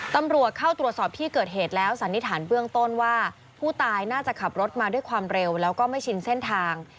ตำรวจเข้าตรวจสอบที่เกิดเหตุแล้วสันนิษฐานเบื้องต้นว่าผู้ตายน่าจะขับรถมาด้วยความเร็วแล้วก็ไม่ชินเส้นทาง